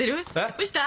どうした？